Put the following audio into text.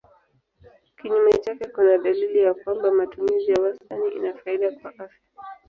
Kinyume chake kuna dalili ya kwamba matumizi ya wastani ina faida kwa afya.